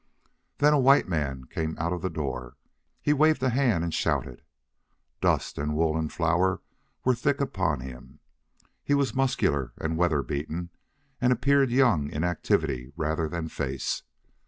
Then a white man came out of the door. He waved a hand and shouted. Dust and wool and flour were thick upon him. He was muscular and weather beaten, and appeared young in activity rather than face.